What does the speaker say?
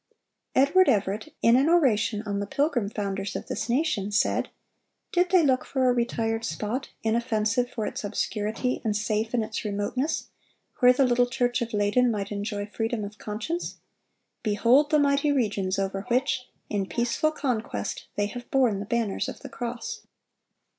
(741) Edward Everett, in an oration on the Pilgrim founders of this nation, said: "Did they look for a retired spot, inoffensive for its obscurity, and safe in its remoteness, where the little church of Leyden might enjoy the freedom of conscience? Behold the mighty regions over which, in peaceful conquest, ... they have borne the banners of the cross!"